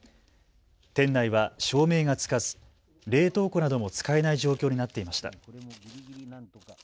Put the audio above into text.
店内は照明がつかず冷凍庫なども使えない状況になっていました。